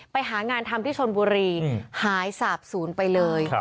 ไปหางานทำที่ชนบุรีหายสาบศูนย์ไปเลย